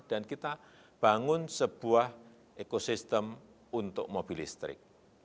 kita bangun sebuah ekosistem untuk mobil listrik